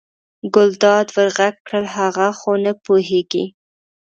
ګلداد ور غږ کړل هغه خو نه پوهېږي.